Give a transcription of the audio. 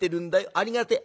ありがてえ。